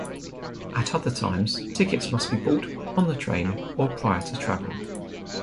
At other times, tickets must be bought on the train or prior to travel.